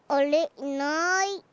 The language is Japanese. いない。